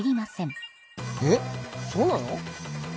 えっそうなの？